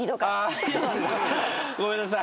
ごめんなさい。